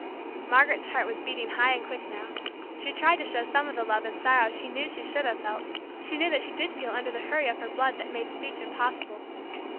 Margaret's heart was beating high and quick now; she tried to show some of the love and sorrow she knew she should have felt, she knew that she did feel under the hurry of her blood that made speech impossible.